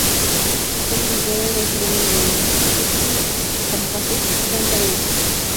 Como sucede en el segundo movimiento, los últimos compases se han perdido.